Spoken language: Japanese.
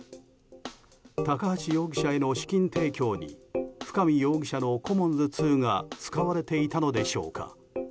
高橋容疑者への資金提供に深見容疑者のコモンズ２が使われていたのでしょうか？